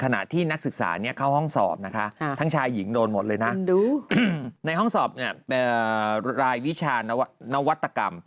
ในห้องสอบรายวิชานวัตกรรม